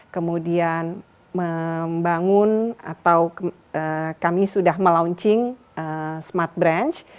kemudian membangun atau kami sudah melaunching smart branch